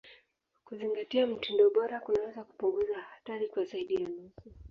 Kuzingatia mtindo bora kunaweza kupunguza hatari kwa zaidi ya nusu.